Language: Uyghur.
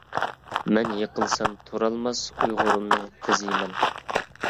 مەن يىقىلسام تۇرالماس ئۇيغۇرۇمنىڭ تىزى مەن.